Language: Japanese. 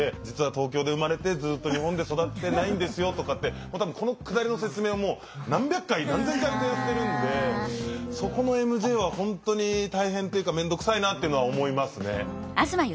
実は東京で生まれてずっと日本で育ってないんですよとかってこのくだりの説明をもう何百回何千回とやってるんでそこのＭＪは本当に大変っていうかめんどくさいなっていうのは思いますね。